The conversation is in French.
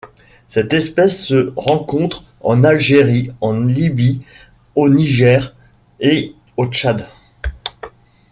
Cette espèce se rencontre en Algérie, en Libye, au Niger et au Tchad.